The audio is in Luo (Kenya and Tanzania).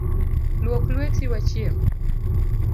Luok lueti wachiem.